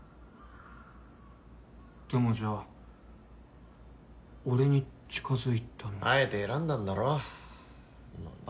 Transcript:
でもじゃあ俺に近づいたのはあえて選んだんだろ罰